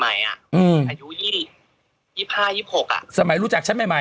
ใหม่ใหม่หมายถึง๒๕๒๕สมัยรู้จักฉันใหม่ใหม่๖๒